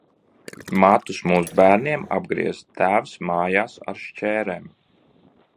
Matus mums bērniem apgrieza tēvs mājās ar šķērēm.